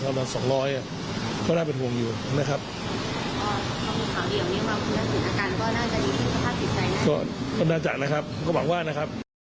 ก็น่าจะนะครับก็หวังว่านะครับ